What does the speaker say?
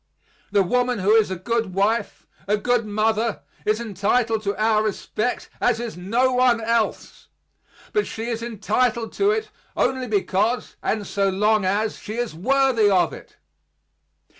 The woman who is a good wife, a good mother, is entitled to our respect as is no one else; but she is entitled to it only because, and so long as, she is worthy of it.